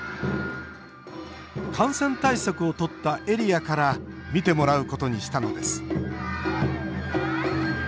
感染対策をとったエリアから見てもらうことにしたのです。